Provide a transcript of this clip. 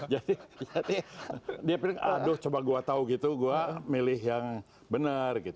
jadi dia pilih aduh coba gua tau gitu gua milih yang benar